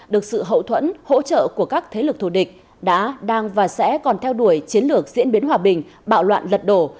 được sự hậu thuẫn hỗ trợ của các thế lực thù địch đã đang và sẽ còn theo đuổi chiến lược diễn biến hòa bình bạo loạn lật đổ